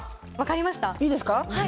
いいですか？